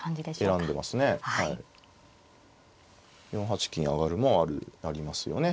４八金上もありますよね。